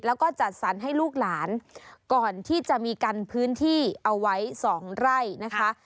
แล้วก็จัดสรรให้ลูกหลานก่อนที่จะมีกันพื้นที่เอาไว้สองไร่นะคะ